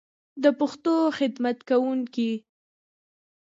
د پښتو خدمت کوونکی